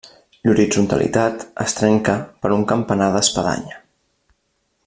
L'horitzontalitat es trenca per un campanar d'espadanya.